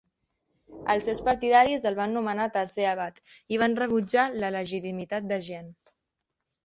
Els seus partidaris el van nomenar tercer abat, i van rebutjar la legitimitat de Gien.